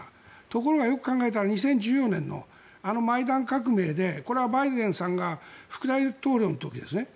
ところが、よく考えたら２０１４年のマイダン革命でこれはバイデンさんが副大統領の時ですね。